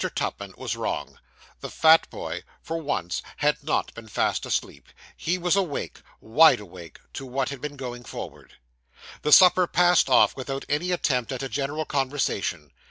Tupman was wrong. The fat boy, for once, had not been fast asleep. He was awake wide awake to what had been going forward. The supper passed off without any attempt at a general conversation.